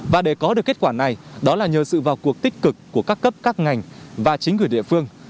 và để có được kết quả này đó là nhờ sự vào cuộc tích cực của các cấp các ngành và chính quyền địa phương